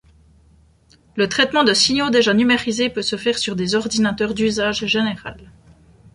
Le traitement de signaux déjà numérisés peut se faire sur des ordinateurs d’usage général.